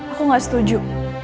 aku gak setuju